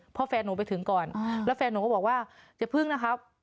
พอแฟนหนูไปถึงก่อนแล้วแฟนหนูก็บอกว่าอย่าพึ่งนะครับ